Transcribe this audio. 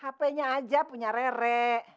hape nya aja punya rere